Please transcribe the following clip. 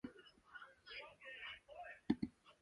出町橋や出雲路橋を渡って川の流れをのぞみ、